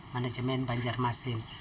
manajemen banjar masing